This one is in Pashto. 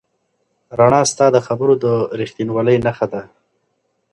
رڼا ستا د خبرو د رښتینولۍ نښه ده.